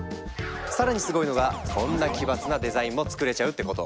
更にすごいのがこんな奇抜なデザインもつくれちゃうってこと！